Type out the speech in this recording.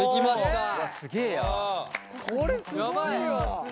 これ、すごいよ。